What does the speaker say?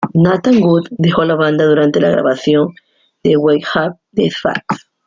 Nathan Good dejó la banda durante la grabación de "We Have the Facts".